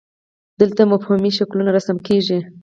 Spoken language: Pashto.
دلته مفهومي شکلونه رسم کیږي.